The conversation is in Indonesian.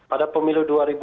ada pemilu dua ribu empat ya